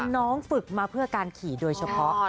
น้องฝึกมาเพื่อการขี่โดยเฉพาะ